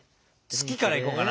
「月」からいこうかな。